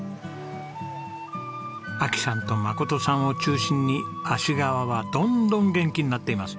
亜紀さんと真さんを中心に芦川はどんどん元気になっています。